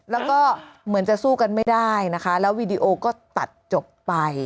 แล้วก็เหมือนจะสู้กันไม่ได้นะคะแล้ววีดีโอก็ตัดจบไป